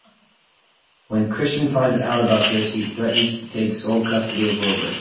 When Christian finds out about this, he threatens to take sole custody of Wilber.